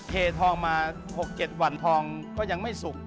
เททองมา๖๗วันทองก็ยังไม่สุก